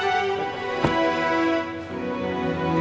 aku mau pulang